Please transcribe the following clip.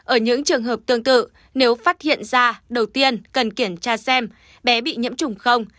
ở những trường hợp tương tự nếu phát hiện ra đầu tiên cần kiểm tra xem bé bị nhiễm trùng không